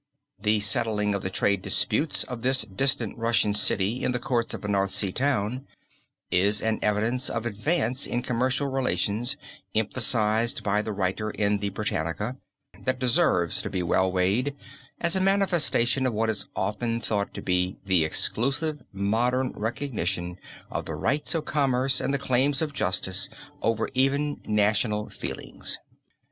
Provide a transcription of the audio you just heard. The settling of the trade disputes of this distant Russian City in the courts of a North Sea town, is an evidence of advance in commercial relations emphasized by the writer in the Britannica, that deserves to be well weighed as a manifestation of what is often thought to be the exclusively modern recognition of the rights of commerce and the claims of justice over even national feelings.